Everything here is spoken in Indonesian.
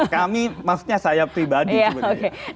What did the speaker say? kami maksudnya saya pribadi sebenarnya